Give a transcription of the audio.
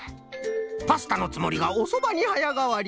パスタのつもりがおそばにはやがわり。